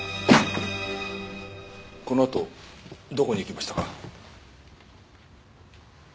このあとどこに行きましたか？